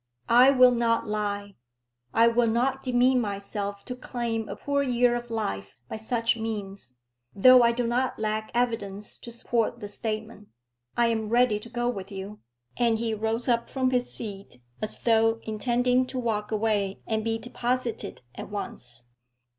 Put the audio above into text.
I will not lie. I will not demean myself to claim a poor year of life by such means, though I do not lack evidence to support the statement. I am ready to go with you;" and he rose up from his seat as though intending to walk away and be deposited at once.